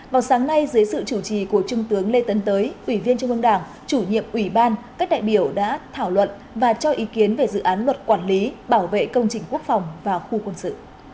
vào sáng nay dưới sự chủ trì của trung tướng lê tấn tới ủy viên trung ương đảng chủ nhiệm ủy ban các đại biểu đã thảo luận và cho ý kiến về dự án luật quản lý bảo vệ công trình quốc phòng và khu quân sự